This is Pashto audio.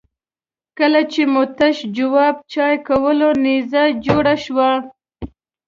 کله چې مو تش جواب چای کولو نيزه جوړه شوه.